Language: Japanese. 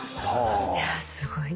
いやすごい。